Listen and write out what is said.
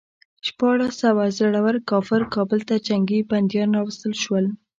شپاړس سوه زړه ور کافر کابل ته جنګي بندیان راوستل شول.